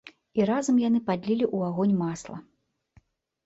І разам яны падлілі ў агонь масла.